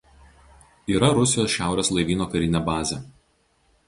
Yra Rusijos šiaurės laivyno karinė bazė.